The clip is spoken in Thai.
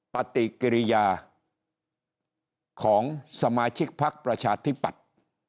ปฏิกิริยาของสมาชิกพักประชาธิปัตย์